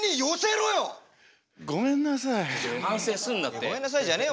いやごめんなさいじゃねえよ。